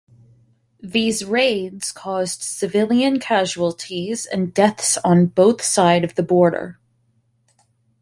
These raids caused civilian casualties and deaths on both sides of the border.